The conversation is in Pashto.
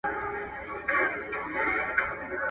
چي لیک دي د جانان کوڅې ته نه دی رسېدلی!!